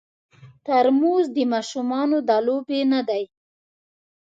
ترموز د ماشومانو د لوبې نه دی.